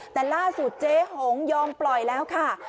แต่ล่าสุดเจ๊หงยอมปล่อยแล้วค่ะ